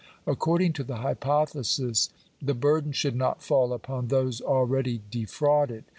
According to the hypothesis the burden should not fall upon those already defrauded.